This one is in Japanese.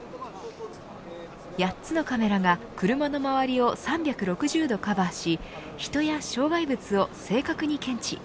８つのカメラが車の周りを３６０度カバーし人や障害物を正確に検知。